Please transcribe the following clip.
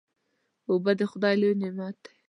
اوبه د خدای لوی نعمت دی.